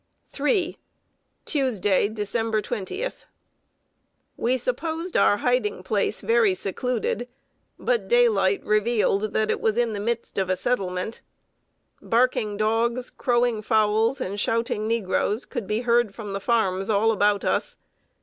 III. Tuesday, December 20. We supposed our hiding place very secluded; but daylight revealed that it was in the midst of a settlement. Barking dogs, crowing fowls, and shouting negroes, could be heard from the farms all about us.